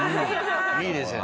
いいですよね。